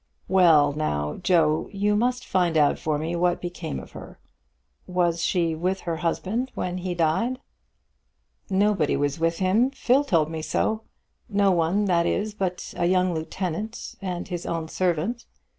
"Well now, Joe, you must find out for me what became of her. Was she with her husband when he died?" "Nobody was with him. Phil told me so. No one, that is, but a young lieutenant and his own servant.